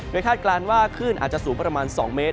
เคยคาดกลานว่าขึ้นอาจจะสูงประมาณ๒เมตร